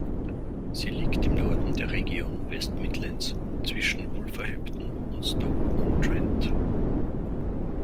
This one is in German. Sie liegt im Norden der Region West Midlands zwischen Wolverhampton und Stoke-on-Trent.